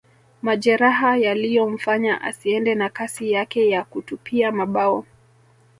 Majeraha yaliyomfanya asiende na kasi yake ya kutupia mabao